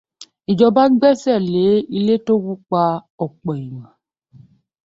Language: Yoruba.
Ìjọba gbẹ́sẹ̀ le ilé tó wó pa ọ̀pọ̀ èèyà.